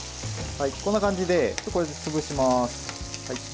こんな感じで、これで潰します。